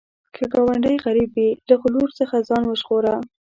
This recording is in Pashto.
که ګاونډی غریب وي، له غرور څخه ځان وژغوره